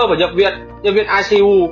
vào nhập viện nhân viên icu